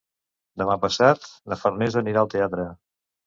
Demà passat na Farners anirà al teatre.